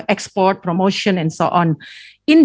ekspor promosi dan sebagainya